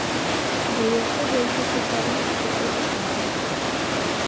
— Быйылғы йәйге сәфәрем ике өлөштән торҙо.